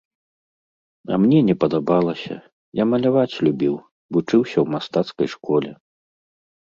А мне не падабалася, я маляваць любіў, вучыўся ў мастацкай школе.